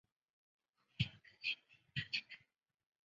印度拥有数量最多印度教徒。